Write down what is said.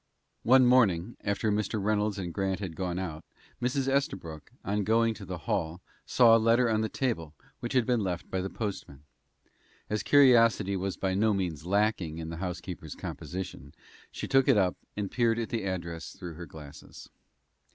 One morning, after Mr. Reynolds and Grant had gone out, Mrs. Estabrook, on going to the hall, saw a letter on the table, which had been left by the postman. As curiosity was by no means lacking in the housekeeper's composition, she took it up, and peered at the address through her glasses.